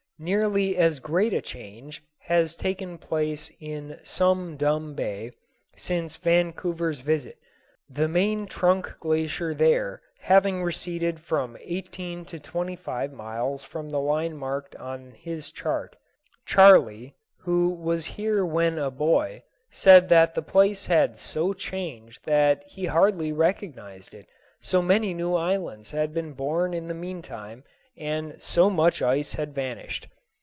Nearly as great a change has taken place in Sum Dum Bay since Vancouver's visit, the main trunk glacier there having receded from eighteen to twenty five miles from the line marked on his chart. Charley, who was here when a boy, said that the place had so changed that he hardly recognized it, so many new islands had been born in the mean time and so much ice had vanished.